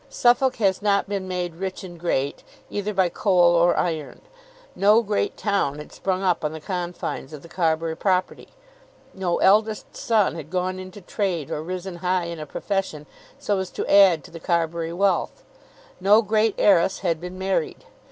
Suffolk has not been made rich and great either by coal or iron. No great town had sprung up on the confines of the Carbury property. No eldest son had gone into trade or risen high in a profession so as to add to the Carbury wealth. No great heiress had been married.